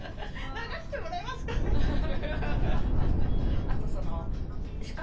流してもらえますかみたいな。